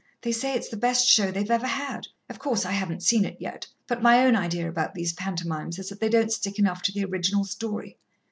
"They say it's the best show they've ever had. Of course, I haven't seen it yet, but my own idea about these pantomimes is that they don't stick enough to the original story.